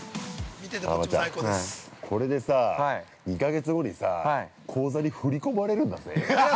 あばちゃん、これでさ、２か月後にさ口座に振り込まれるんだぜ。